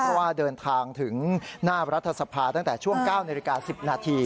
เพราะว่าเดินทางถึงหน้ารัฐสภาตั้งแต่ช่วง๙นาฬิกา๑๐นาที